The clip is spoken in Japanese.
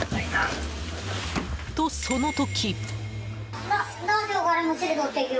と、その時。